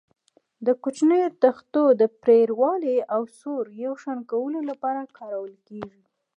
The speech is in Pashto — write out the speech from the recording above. د کوچنیو تختو د پرېړوالي او سور یو شان کولو لپاره کارول کېږي.